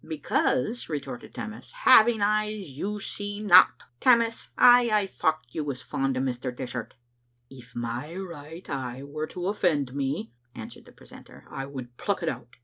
"Because," retorted Tammas, "having eyes you see not." " Tammas, I aye thocht you was fond o' Mr. Dishart." "If my right eye were to offend me," answered the precentor, " I would pluck it out.